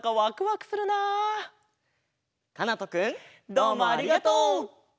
どうもありがとう！